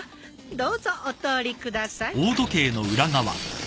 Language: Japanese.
どうぞお通りください。